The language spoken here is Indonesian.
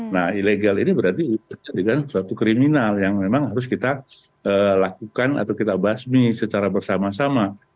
nah ilegal ini berarti kan suatu kriminal yang memang harus kita lakukan atau kita basmi secara bersama sama